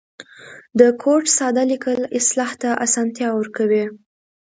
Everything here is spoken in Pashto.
د کوډ ساده لیکل اصلاح ته آسانتیا ورکوي.